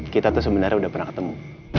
kita tuh sebenarnya udah pernah ketemu